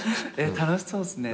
楽しそうっすね。